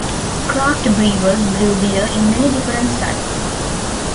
Craft brewers brew beer in many different styles.